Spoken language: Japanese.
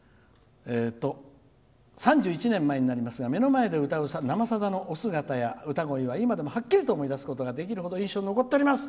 「３１年前になりますが目の前で歌う「生さだ」のお姿や歌声は今でもはっきりと思い出せるほど印象に残っております。